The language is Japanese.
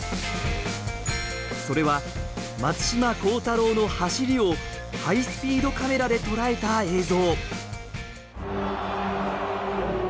それは、松島幸太朗の走りをハイスピードカメラで捉えた映像。